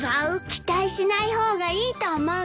期待しない方がいいと思うけど。